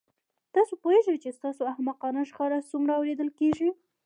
تاسو پوهیږئ چې ستاسو احمقانه شخړه څومره اوریدل کیږي